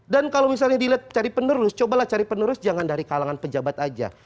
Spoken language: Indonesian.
kalau misalnya dilihat cari penerus cobalah cari penerus jangan dari kalangan pejabat aja